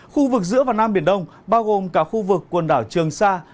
khu vực giữa và nam biển đông bao gồm cả khu vực quần đảo trường sa